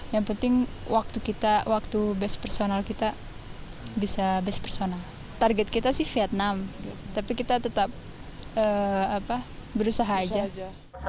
yang penting waktu kita waktu base personal kita bisa based personal target kita sih vietnam tapi kita tetap berusaha aja